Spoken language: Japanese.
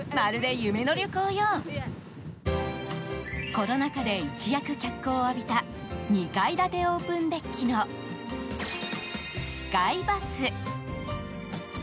コロナ禍で一躍脚光を浴びた２階建てオープンデッキのスカイバス。